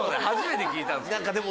初めて聞いたんですけど。